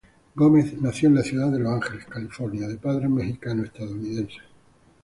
Gómez nació en la ciudad de Los Ángeles, California, de padres mexicano-estadounidenses.